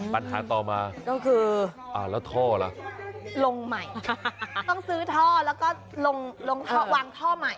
ปัญหาต่อมาก็คืออ่าแล้วท่อล่ะลงใหม่ต้องซื้อท่อแล้วก็ลงวางท่อใหม่